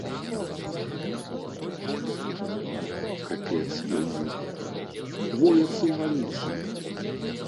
Капец, думаю, во як сімвалічна!